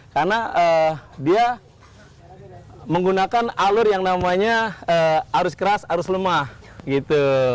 karena dia menggunakan alur yang namanya arus keras arus lemah gitu